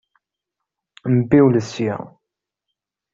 Mbiwlet sya!